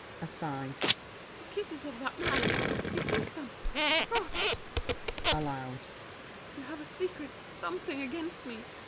[Aside.] The kisses of that man, he sees them! God! [Aloud.] You have a secret, something against me!